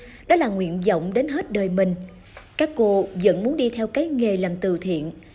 vui vẻ hơn đó là nguyện vọng đến hết đời mình các cô vẫn muốn đi theo cái nghề làm từ thiện